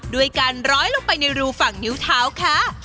ด้วยการร้อยลงไปในรูฝั่งนิ้วเท้าค่ะ